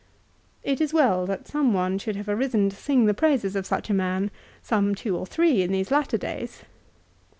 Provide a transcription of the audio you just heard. It is well that some one should have arisen to sing the praises of such a man, some two or three in these latter days.